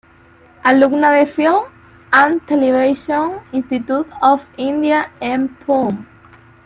Alumna del Film and Television Institute of India, en Pune.